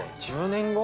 １０年後？